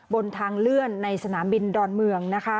บนทางเลื่อนในศาลบินดอนเมือง